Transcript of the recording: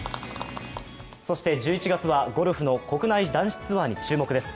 そして、１１月はゴルフの国内男子ツアーに注目です。